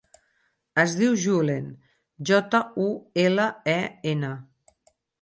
Es diu Julen: jota, u, ela, e, ena.